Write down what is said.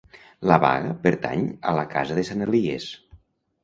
La Baga pertany a la casa de Sant Elies.